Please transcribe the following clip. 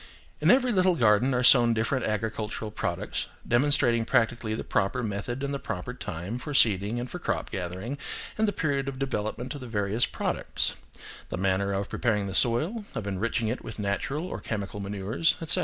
In every little garden are sown different agricultural products, demonstrating practically the proper method and the proper time for seeding and for crop gathering, and the period of development of the various products; the manner of preparing the soil, of enriching it with natural or chemical manures, etc.